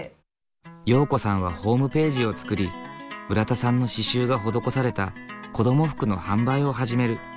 容子さんはホームページを作り村田さんの刺しゅうが施された子ども服の販売を始める。